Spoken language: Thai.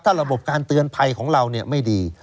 ระบบการเตือนภัยของเราไม่ดี